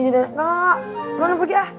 kak gimana pergi ah